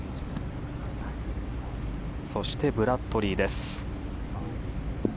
そしてブラッドリーです。